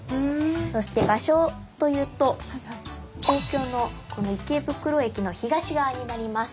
そして場所というと東京の池袋駅の東側になります。